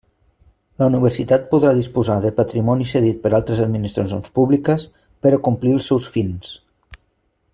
La Universitat podrà disposar de patrimoni cedit per altres administracions públiques per a complir els seus fins.